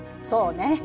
そうね。